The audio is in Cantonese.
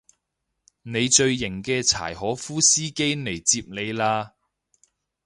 你最型嘅柴可夫司機嚟接你喇